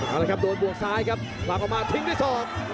เอาละครับโดนบวกซ้ายครับผลักออกมาทิ้งด้วยศอก